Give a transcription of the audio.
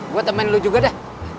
gue teman lu juga deh